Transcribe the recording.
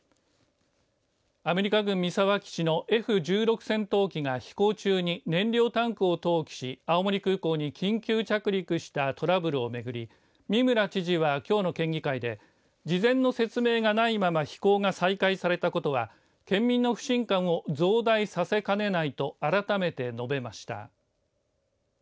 アメリカ軍三沢基地のＦ１６戦闘機が飛行中に、燃料タンクを投棄し青森空港に緊急着陸したトラブルをめぐり三村知事はきょうの県議会で事前の説明がないまま飛行が再開されたことは県民の不信感を増大させかねないと改めて述べました。